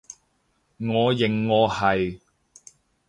我認我係